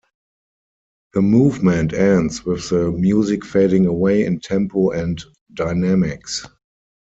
The movement ends with the music fading away in tempo and dynamics.